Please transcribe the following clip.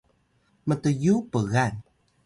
mt’yu pgan